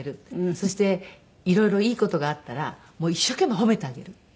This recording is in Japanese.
そして色々いい事があったら一生懸命褒めてあげる。